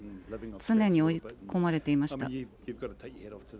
常に追い込まれていました。